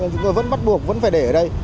chúng tôi vẫn bắt buộc vẫn phải để ở đây